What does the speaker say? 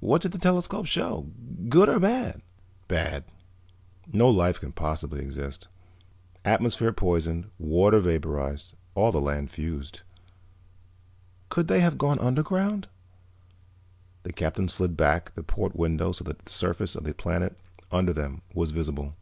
"What did the telescope show? Good or bad?" "Bad. No life could possibly exist. Atmosphere poisoned, water vaporized, all the land fused." "Could they have gone underground?" The Captain slid back the port window so that the surface of the planet under them was visible.